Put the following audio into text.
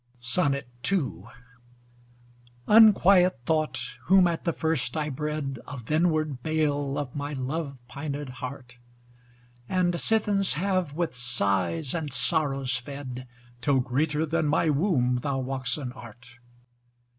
II Unquiet thought, whom at the first I bred, Of th' inward bale of my love pined heart: And sithens have with sighs and sorrows fed, Till greater then my womb thou woxen art.